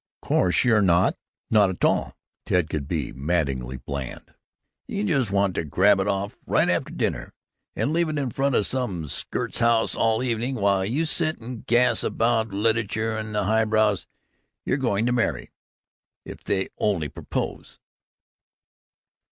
"Course you're not! Not a tall!" Ted could be maddeningly bland. "You just want to grab it off, right after dinner, and leave it in front of some skirt's house all evening while you sit and gas about lite'ature and the highbrows you're going to marry if they only propose!"